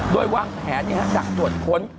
โดยวางแผนดักถวดค้น